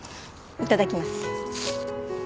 いただきます。